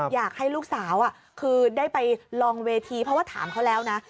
อยากให้ลูกสาวคือได้ไปลองเวทีเพราะว่าถามเขาแล้วนะ